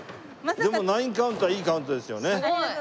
でも９カウントはいいカウントですよね。